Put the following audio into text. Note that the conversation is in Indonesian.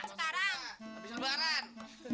sekarang habis lebaran